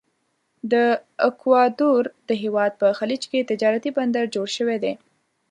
د اکوادور د هیواد په خلیج کې تجارتي بندر جوړ شوی دی.